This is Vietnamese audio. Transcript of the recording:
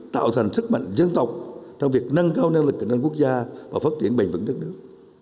tạo thành sức mạnh dân tộc trong việc nâng cao năng lực cạnh tranh quốc gia và phát triển bền vững đất nước